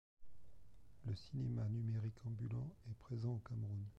Le cinéma numérique ambulant est présent au Cameroun.